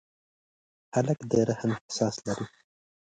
هلک د رحم احساس لري.